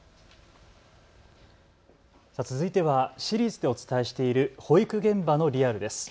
続いてはシリーズでお伝えしている保育現場のリアルです。